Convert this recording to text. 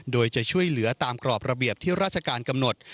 โดยจะช่วยเหลือตามกรอบระเบียบที่ราชการกำหนด